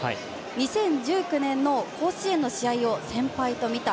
２０１９年の甲子園の試合を先輩と見た。